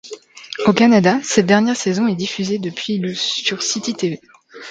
Au Canada, cette dernière saison est diffusée depuis le sur Citytv.